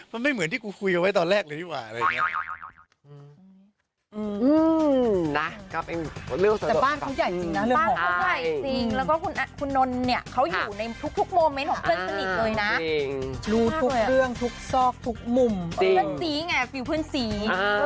มันไม่เหมือนที่กูคุยกันไว้ตอนแรกเลยดีกว่าอะไรอย่างนี้